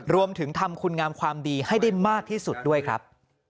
รวมถึงทำคุณงามความดีให้ได้มากที่สุดด้วยครับ